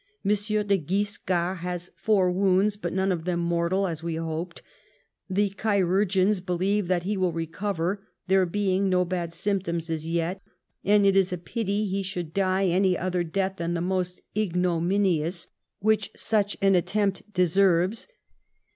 M. de Guiscard has four wounds, but none of them mortal, as we hoped The chirurgeons believe that he will recover, there being no bad symptoms as yet ; and it is a pity he should die any other death than the most ignominious which such an attempt deserves.